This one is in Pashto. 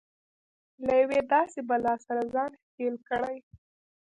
له يوې داسې بلا سره ځان ښکېل کړي.